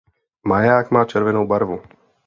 Maják má červenou barvu.